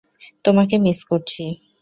তোমাকে মিস করছি।